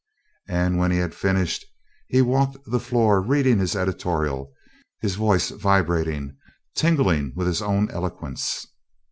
And when he had finished, he walked the floor reading the editorial, his voice vibrating, tingling with his own eloquence.